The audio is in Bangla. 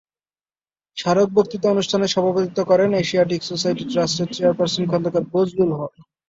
স্মারক বক্তৃতা অনুষ্ঠানে সভাপতিত্ব করেন এশিয়াটিক সোসাইটি ট্রাস্টের চেয়ারপারসন খন্দকার বজলুল হক।